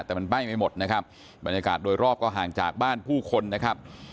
แต่มันใบ้ไม่หมดนะครับบรรยากาศโดยรอบก็ห่างจากบ้านผู้คนนะครับ